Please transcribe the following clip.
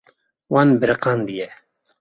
Wan biriqandiye.